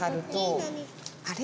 あれ？